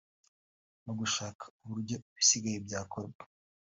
no gushaka uburyo ibisigaye byakorwa